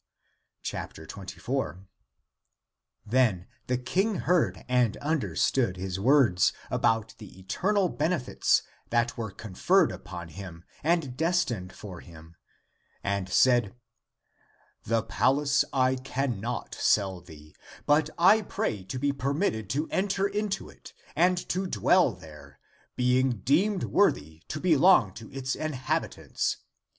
24. Then the King heard and understood (his words) about the eternal benefits that were con ferred upon him and destined for him, and said, " the palace I cannot sell thee, but I pray to be per mitted to enter into it and to dwell there, being deemed worthy to belong to its inhabitants.